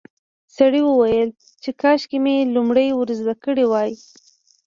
سړي وویل چې کاشکې مې لومړی ور زده کړي وای.